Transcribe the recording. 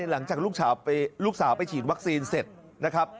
หลังจากลูกสาวไปฉีดวัคซีนเสร็จนะครับ